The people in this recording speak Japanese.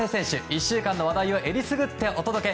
１週間の話題をえりすぐってお届け！